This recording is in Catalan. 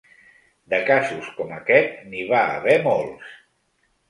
De casos com aquest, n'hi va haver molts.